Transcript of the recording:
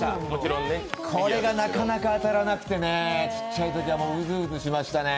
これがなかなか当たらなくてね、ちっちゃいときはうずうずしましたね。